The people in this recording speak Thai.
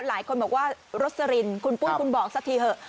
หลายคนบอกว่าโรสลินคุณปุ้ยคุณบอกสักทีเถอะ